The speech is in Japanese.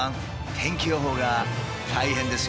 天気予報が大変ですよ。